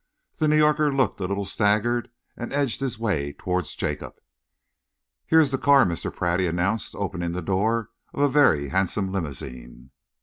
The New Yorker looked a little staggered and edged his way towards Jacob. "Here is the car, Mr. Pratt," he announced, opening the door of a very handsome limousine.